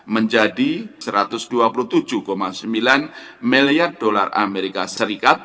menjadi satu ratus dua puluh tujuh sembilan miliar dolar as